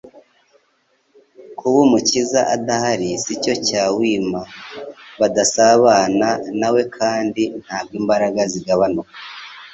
Kuba Umukiza adahari sicyo cyauima badasabana nawe kandi ntabwo imbaraga zigabanuka.